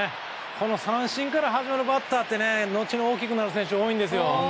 この三振から始まるバッターって後に大きくなる選手多いんですよ。